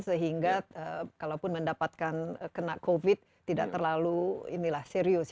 sehingga kalaupun mendapatkan kena covid tidak terlalu serius